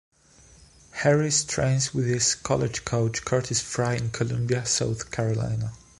Harris trains with his college coach Curtis Frye in Columbia, South Carolina.